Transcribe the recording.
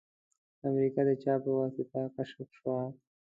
امریکا د چا په واسطه کشف شوه؟